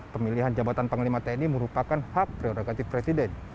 pemilihan jabatan panglima tni merupakan hak prerogatif presiden